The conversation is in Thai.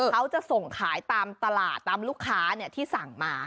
เขาจะส่งขายตามตลาดตามลูกค้าที่สั่งมา